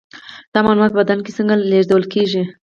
دا معلومات په بدن کې څنګه لیږدول کیږي